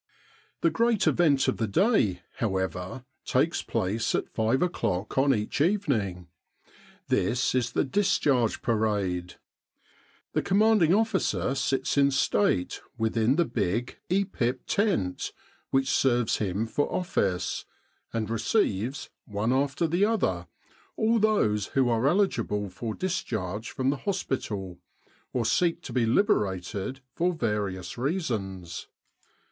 The great event of the day, however, takes place at five o'clock on each evening. This is the Discharge Parade. The Commanding Officer sits in State within the big E.P.I. P. tent, which serves him for office, and receives, one after the other, all those who are eligible for discharge from the hospital, or seek to be liberated for various reasons.